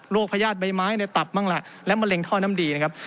พญาติใบไม้ในตับบ้างล่ะและมะเร็งท่อน้ำดีนะครับ